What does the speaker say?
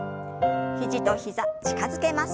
肘と膝近づけます。